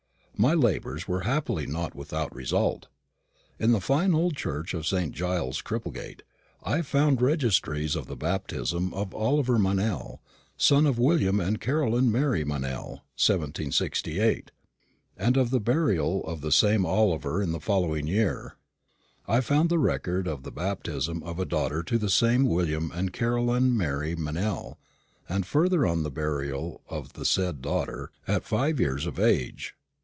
My labours were happily not without result. In the fine old church of St. Giles, Cripplegate, I found registries of the baptism of Oliver Meynell, son of William and Caroline Mary Meynell, 1768; and of the burial of the same Oliver in the following year. I found the record of the baptism of a daughter to the same William and Caroline Mary Meynell, and further on the burial of the said daughter, at five years of age.